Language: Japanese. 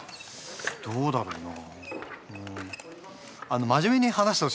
どうだろうな。